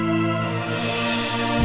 malah aku mengangkatkan diri sendiri